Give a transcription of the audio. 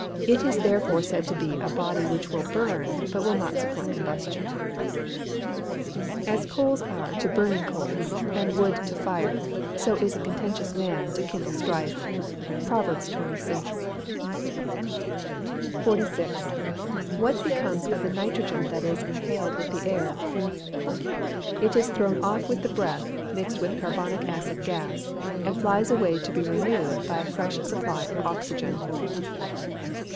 It is therefore said to be a body which will burn, but will not support combustion. [Verse: "As coals are to burning coals, and wood to fire; so is a contentious man to kindle strife." PROVERBS XXVI.] 46. What becomes of the nitrogen that is inhaled with the air? It is thrown off with the breath, mixed with carbonic acid gas, and flies away to be renewed by a fresh supply of oxygen.